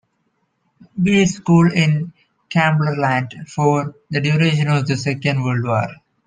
Bees School in Cumberland for the duration of the Second World War.